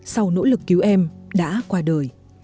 sau nỗ lực cứu em đã qua đời